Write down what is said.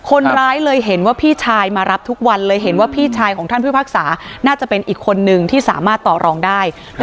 คนร้ายเลยเห็นว่าพี่ชายมารับทุกวันเลยเห็นว่าพี่ชายของท่านพิพากษาน่าจะเป็นอีกคนนึงที่สามารถต่อรองได้